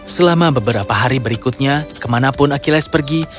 selama beberapa hari berikutnya kemana pun akhiles pergi